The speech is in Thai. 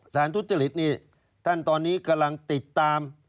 ทุจริตนี่ท่านตอนนี้กำลังติดตาม